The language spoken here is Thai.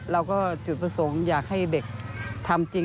จุดประสงค์อยากให้เด็กทำจริง